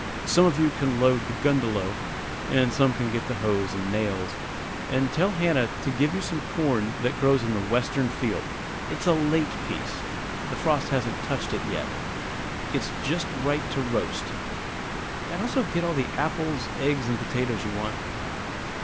Some of you can load the gundelow, and some can get the hoes and nails; and tell Hannah to give you some corn that grows in the western field, it's a late piece the frost hasn't touched it yet, it's just right to roast; and also get all the apples, eggs, and potatoes you want."